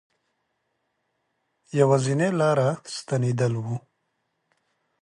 یوازنی لاره ستنېدل وه.